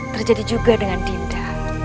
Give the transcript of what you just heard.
terjadi juga dengan dinda